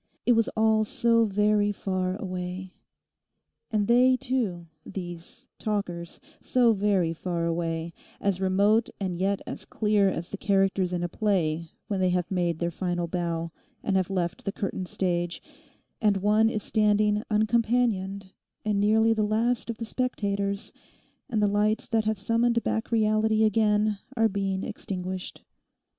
It was all so very far away. And they too—these talkers—so very far away; as remote and yet as clear as the characters in a play when they have made their final bow, and have left the curtained stage, and one is standing uncompanioned and nearly the last of the spectators, and the lights that have summoned back reality again are being extinguished.